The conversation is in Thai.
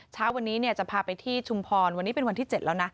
เช้าวันนี้จะพาไปที่ชุมพรวันนี้เป็นวันที่๗แล้วนะ